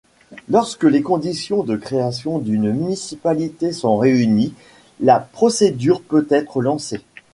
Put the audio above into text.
Lorsque les conditions de création d'une municipalité sont réunies, la procédure peut être lancée.